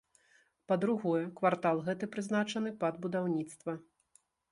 Па другое, квартал гэты прызначаны пад будаўніцтва.